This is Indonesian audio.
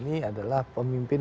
ini adalah pemimpin